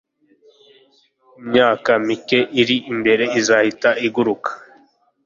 imyaka mike iri imbere izahita iguruka